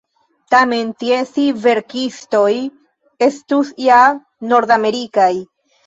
Tamen tiesj verkistoj estus ja nordamerikaj.